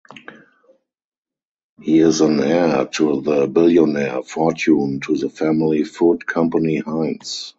He is an heir to the billionaire fortune to the family food company Heinz.